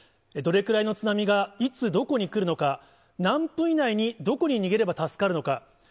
どれくらいの津波がいつどこに来るのか、何分以内にどこに逃げれば、助かるのか。